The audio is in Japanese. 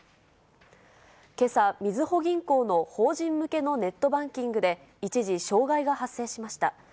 けさ、みずほ銀行の法人向けのネットバンキングで一時、障害が発生しました。